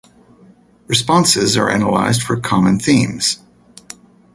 Responses are analyzed for common themes.